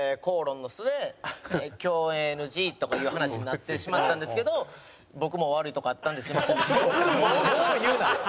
口論の末共演ＮＧとかいう話になってしまったんですけど僕も悪いところあったんですみませんでした」。